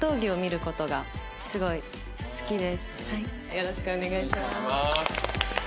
よろしくお願いします。